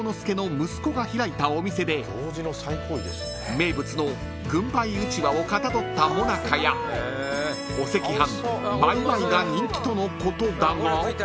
［名物の軍配うちわをかたどったもなかやお赤飯萬祝が人気とのことだが］